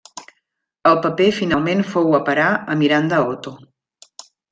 El paper finalment fou a parar a Miranda Otto.